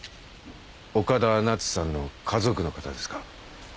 岡田奈津さんの家族の方ですか？